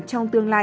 trong tương lai